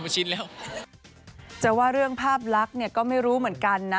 จะว่าเรื่องภาพลักษณ์ก็ไม่รู้เหมือนกันนะ